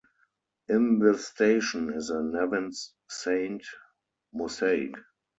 In the station is a "Nevins Saint" mosaic.